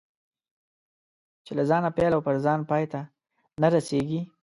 چې له ځانه پیل او پر ځان پای ته نه رسېږي.